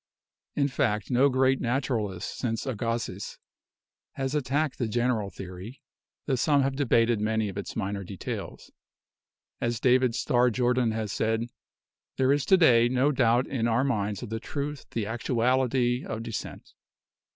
In fact no great naturalist since Agassiz has attacked the general theory, tho some have debated many of its minor details. As David Starr Jordan has said: "There is to day no doubt in our minds of the truth, the actuality, of descent.